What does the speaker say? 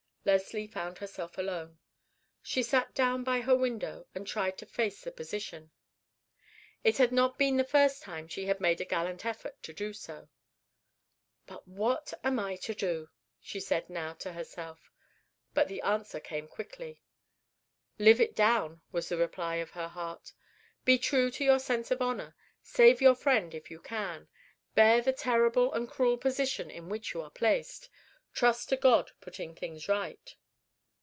Leslie found herself alone. She sat down by her window, and tried to face the position. It had not been the first time she had made a gallant effort to do so. "What am I to do?" she said now to herself. But the answer came quickly. "Live it down," was the reply of her heart. "Be true to your sense of honor. Save your friend if you can. Bear the terrible and cruel position in which you are placed. Trust to God putting things right."